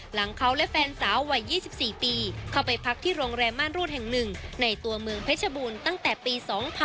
หลังเขาและแฟนสาววัย๒๔ปีเข้าไปพักที่โรงแรมม่านรูดแห่ง๑ในตัวเมืองเพชรบูรณ์ตั้งแต่ปี๒๕๖๒